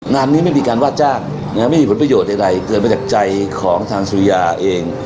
งานนี้ไม่มีการว่าจ้างไม่มีผลประโยชน์ใดเกิดมาจากใจของทางสุริยาเอง